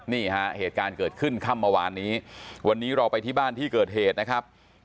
นี่ฮะเหตุการณ์เกิดขึ้นค่ำเมื่อวานนี้วันนี้เราไปที่บ้านที่เกิดเหตุนะครับ